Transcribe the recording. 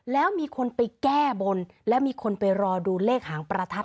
แล้วมีคนไปแก้บนและมีคนไปรอดูเลขหางประทัด